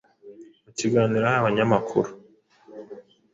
Mu kiganiro yahaye abanyamakuru ,